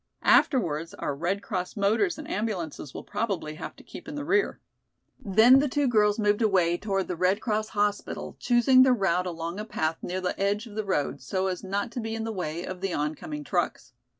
Afterwards our Red Cross motors and ambulances will probably have to keep in the rear." Then the two girls moved away toward the Red Cross hospital choosing their route along a path near the edge of the road, so as not to be in the way of the oncoming trucks.